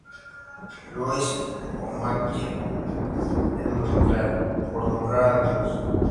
Louis o McGill en Montreal, por nombrar algunos.